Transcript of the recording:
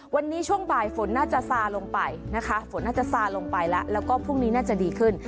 วันนี้ช่วงบ่ายฝนน่าจะซาลงไปนะคะฝนน่าจะซาลงไปแล้วแล้วก็พรุ่งนี้น่าจะดีขึ้น